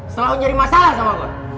setelah lo jadi masalah sama gue